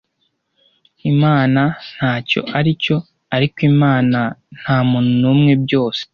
imana ntacyo aricyo ariko imana ntamuntu numwe ni byose